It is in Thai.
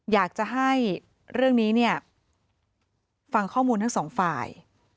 อยากจะให้เรื่องนี้เนี่ยฟังข้อมูลทั้งสองฝ่าย